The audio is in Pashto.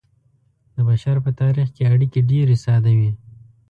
د بشر په تاریخ کې اړیکې ډیرې ساده وې.